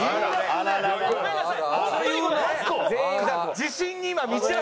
あっごめんなさい。